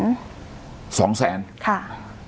ใช่ค่ะ